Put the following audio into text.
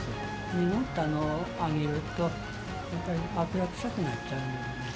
濁ったので揚げると、やっぱり油臭くなっちゃうんで。